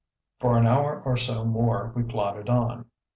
For an hour or so more we plodded on.